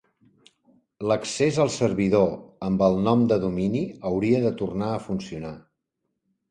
L'accés al servidor amb el nom de domini hauria de tornar a funcionar.